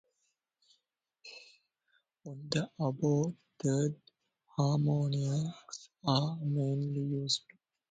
On the oboe, third harmonics are mainly used.